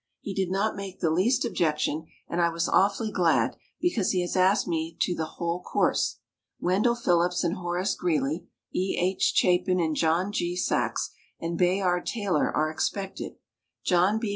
He did not make the least objection and I was awfully glad, because he has asked me to the whole course. Wendell Phillips and Horace Greeley, E. H. Chapin and John G. Saxe and Bayard Taylor are expected. John B.